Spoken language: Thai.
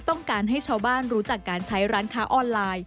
ต้องการให้ชาวบ้านรู้จักการใช้ร้านค้าออนไลน์